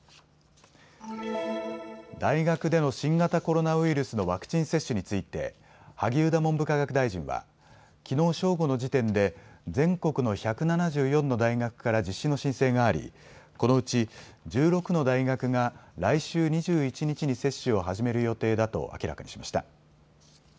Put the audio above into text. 大学での新型コロナウイルスのワクチン接種について萩生田文部科学大臣はきのう正午の時点で全国の１７４の大学から実施の申請がありこのうち１６の大学が来週２１日に接種を始める予定だと明らかにしました。